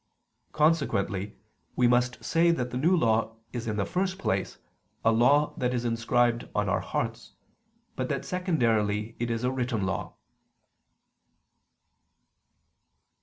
Consequently we must say that the New Law is in the first place a law that is inscribed on our hearts, but that secondarily it is a written law.